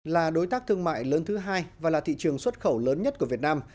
là đối tác thương mại lớn thứ hai và là thị trường xuất khẩu lớn nhất của việt nam